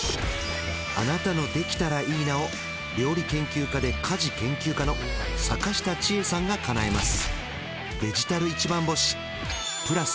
あなたの「できたらいいな」を料理研究家で家事研究家の阪下千恵さんがかなえます